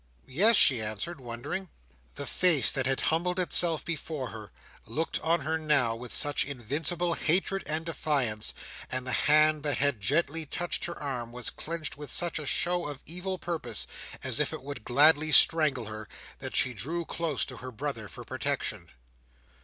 "Yes," she answered, wondering. The face that had humbled itself before her, looked on her now with such invincible hatred and defiance; and the hand that had gently touched her arm, was clenched with such a show of evil purpose, as if it would gladly strangle her; that she drew close to her brother for protection.